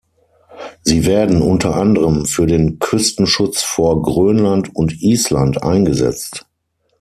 Sie werden unter anderem für den Küstenschutz vor Grönland und Island eingesetzt.